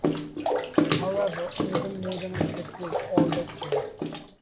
However, in little more than a decade all that changed.